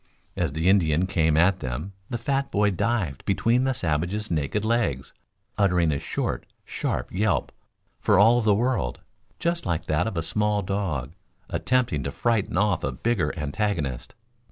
As the Indian came at them the fat boy dived between the savage's naked legs, uttering a short, sharp yelp, for all the world just like that of a small dog attempting to frighten off a bigger antagonist.